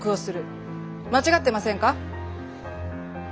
間違ってませんか？